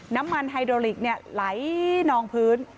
น้ำมันไฮโดริกไหลนองพื้น